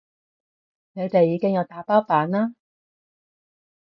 你哋已經有打包版啦